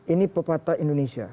ini pepatah indonesia